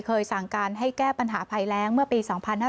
สั่งการให้แก้ปัญหาภัยแรงเมื่อปี๒๕๕๙